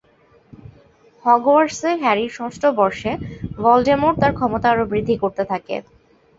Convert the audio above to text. হগওয়ার্টসে হ্যারির ষষ্ঠ বর্ষে ভলডেমর্ট তার ক্ষমতা আরো বৃদ্ধি করতে থাকে।